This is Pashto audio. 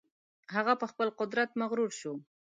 هغه په خپل قدرت مغرور شو.